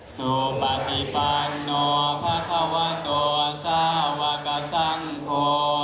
สุพัตติปันนต์พระขวัตตัวสวากสังโภ